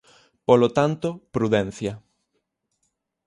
Polo tanto, prudencia.